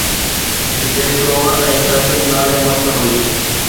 جتي شور ۽ ٽريفڪ نالي ماتر هئي.